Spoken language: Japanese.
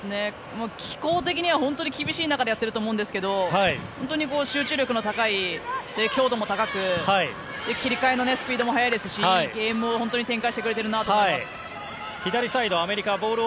気候的には本当に厳しい中でやってると思うんですけど本当に集中力の高い、強度も高く切り替えのスピードも早いですしいいゲームを展開してくれるなと思います。